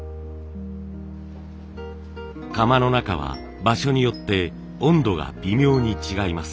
窯の中は場所によって温度が微妙に違います。